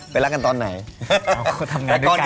รักกันตอนไหน